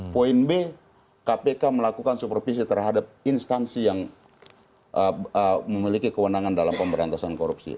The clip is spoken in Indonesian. poin b kpk melakukan supervisi terhadap instansi yang memiliki kewenangan dalam pemberantasan korupsi